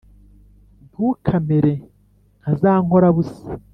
ntukamere nka za nkorabusa